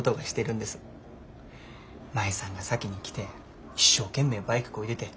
舞さんが先に来て一生懸命バイクこいでて。